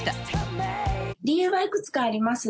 理由はいくつかあります。